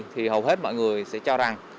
thì hầu hết mọi người sẽ cho rằng